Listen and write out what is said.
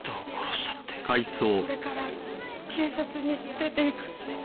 これから警察に連れていく。